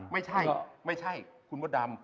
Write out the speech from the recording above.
ไม่ใช่ไม่ใช่คุณมดดำ